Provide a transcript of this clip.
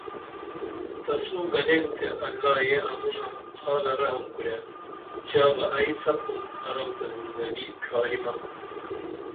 تسو گنین تے اللہ یے امُونہ حالہ رحم کُرے ژا بہ ائی سپُن ارم تہ زندگی ڇھاریمہ